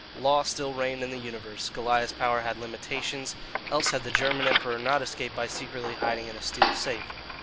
Law still reigned in the universe. Goliah's power had limitations, else had the German Emperor not escaped by secretly hiding in a steel safe.